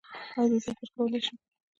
ایا زه سفر کولی شم؟